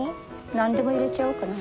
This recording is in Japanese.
何でも入れちゃおうかな。